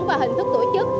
và hình thức tổ chức